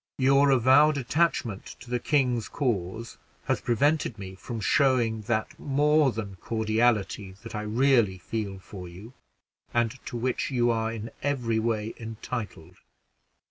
Your avowed attachment to the king's cause has prevented me from showing that more than cordiality that I really feel for you, and to which you are in every way entitled."